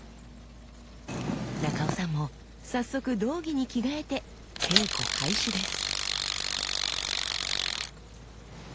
中尾さんも早速胴着に着替えて稽古開始です。